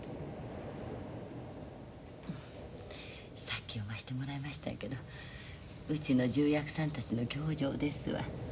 さっき読ましてもらいましたやけどうちの重役さんたちの行状ですわ。